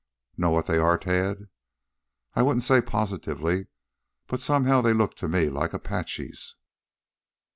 "Know what they are, Tad?" "I wouldn't say positively, but somehow they look to me like Apaches."